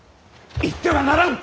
行ってはならん！